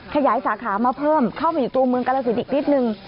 ขยายสาขามาเพิ่มเข้ามาอยู่ตัวเมืองกาลสินอีกนิดนึง